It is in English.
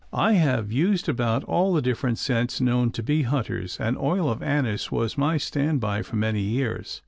I have used about all the different scents known to bee hunters and oil of anise was my standby for many years.